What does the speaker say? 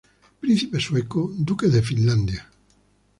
Príncipe sueco, duque de Finlandia.